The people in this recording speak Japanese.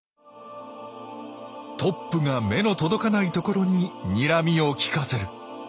トップが目の届かないところににらみを利かせる。